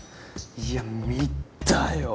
いや見たよ。